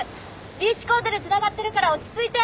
リーシュコードでつながってるから落ち着いて。